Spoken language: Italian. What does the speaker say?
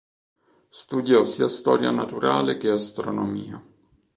Studiò sia storia naturale che astronomia.